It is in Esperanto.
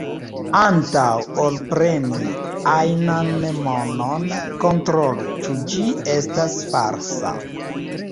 Antaŭ ol preni ajnan monon, kontrolu, ĉu ĝi ne estas falsa.